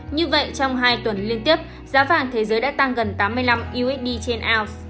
như vậy trong hai tuần liên tiếp giá vàng thế giới đã tăng gần tám mươi năm usd trên ounce